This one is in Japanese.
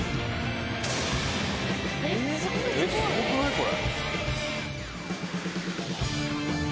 これ。